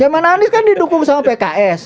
zaman anies kan didukung sama pks